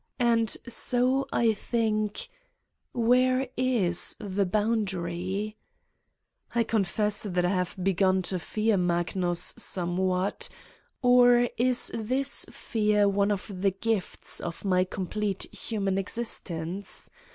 And so I think: where is the boundary? I confess that I have begun to fear Magnus somewhat ... or is this fear one of the gifts of my complete human existence